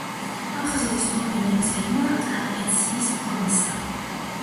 აფხაზეთის დოლმენების გეგმა ტრაპეციის ფორმისაა.